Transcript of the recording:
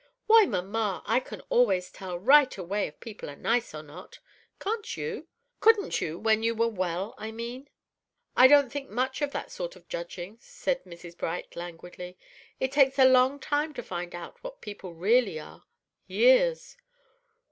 "Why, mamma, I can always tell right away if people are nice or not. Can't you? Couldn't you, when you were well, I mean?" "I don't think much of that sort of judging," said Mrs. Bright, languidly. "It takes a long time to find out what people really are, years."